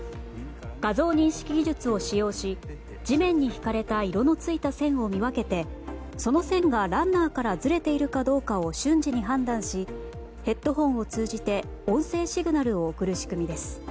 画像認識技術を使用し地面に引かれた色のついた線を見分けてその線がランナーからずれているかどうかを瞬時に判断しヘッドホンを通じて音声シグナルを送る仕組みです。